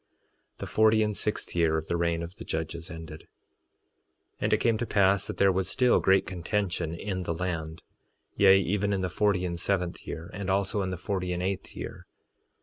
3:18 The forty and sixth year of the reign of the judges ended; 3:19 And it came to pass that there was still great contention in the land, yea, even in the forty and seventh year, and also in the forty and eighth year.